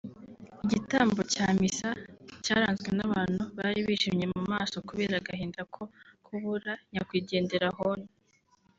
Igitambo cya misa cyaranzwe nabantu bari bijimye mu maso kubera agahinda ko kubura nyakwigendera Hon